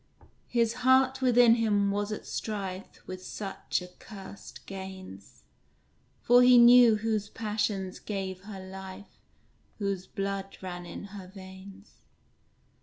His heart within him was at strife With such accursed gains; For he knew whose passions gave her life, Whose blood ran in her veins.